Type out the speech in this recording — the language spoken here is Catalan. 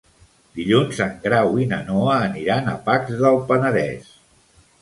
Dilluns en Grau i na Noa aniran a Pacs del Penedès.